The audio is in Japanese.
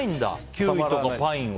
キウイとかパインは。